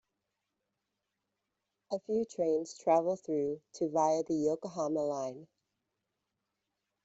A few trains travel through to via the Yokohama Line.